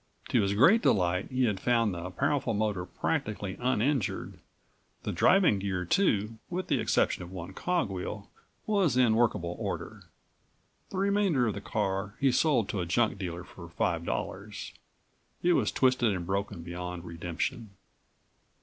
To his great delight he had found the powerful motor practically uninjured. The driving gear too, with the exception of one cog wheel, was in workable order. The remainder of the car he sold to a junk dealer for five dollars. It was twisted and broken beyond redemption.